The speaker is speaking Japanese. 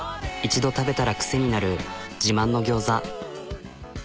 一度食べたら癖になる自慢の餃子。